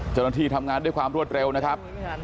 เจ้าหน้าที่ทำงานด้วยความรวดเร็วนะครับ